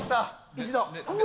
一度。